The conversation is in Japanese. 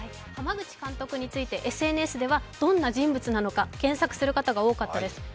濱口監督についてＳＮＳではどんな監督なのか検索する人が多かったです。